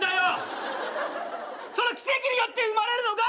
その奇跡によって生まれるのが？